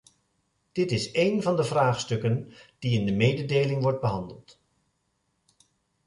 Dit is een van de vraagstukken die in de mededeling worden behandeld.